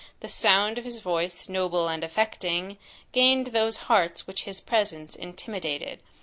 The sound of his voice noble and affecting, gained those hearts which his presence intimidated.